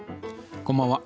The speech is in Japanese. こんばんは。